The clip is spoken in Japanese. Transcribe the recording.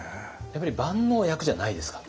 やっぱり万能薬じゃないですか？